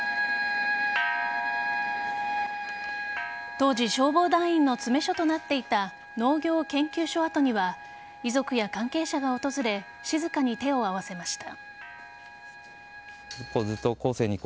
当時消防隊員の詰め所となっていた農業研究所跡には遺族や関係者が訪れ静かに手を合わせました。